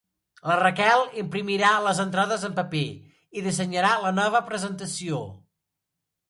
La Raquel imprimirà les entrades en paper i dissenyarà la nova presentació.